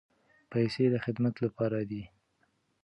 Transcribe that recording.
پیسې د خدمت لپاره دي.